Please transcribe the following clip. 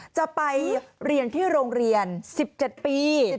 จะไปเรียนที่โรงเรียน๑๗ปี